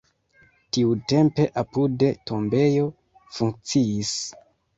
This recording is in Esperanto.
Tiutempe apude tombejo funkciis.